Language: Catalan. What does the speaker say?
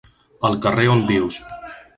Al carrer on vius.